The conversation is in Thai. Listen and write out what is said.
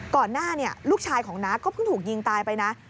หน้าลูกชายของน้าก็เพิ่งถูกยิงตายไปนะ